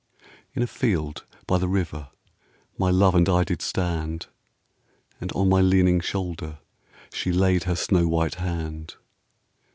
In a field by the river my love and I did stand, And on my leaning shoulder she laid her snow white hand.